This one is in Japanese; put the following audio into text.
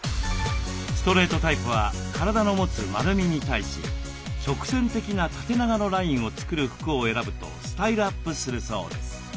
ストレートタイプは体の持つ丸みに対し直線的な縦長のラインを作る服を選ぶとスタイルアップするそうです。